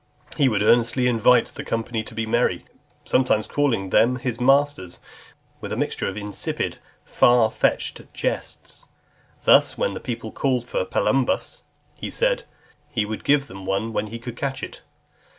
He would earnestly invite the company to be merry; sometimes calling them his "masters," with a mixture of insipid, far fetched jests. Thus, when the people called for Palumbus , he said, "He would give them one when he could catch it."